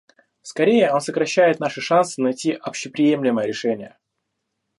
Скорее, он сокращает наши шансы найти общеприемлемое решение.